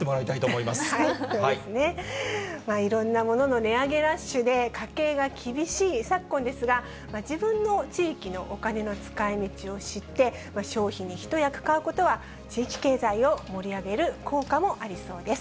いろんなものの値上げラッシュで家計が厳しい昨今ですが、自分の地域のお金の使いみちを知って、消費に一役買うことは、地域経済を盛り上げる効果もありそうです。